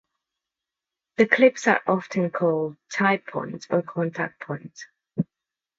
The clips are often called "tie points" or "contact points".